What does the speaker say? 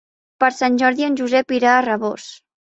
Per Sant Jordi en Josep irà a Rabós.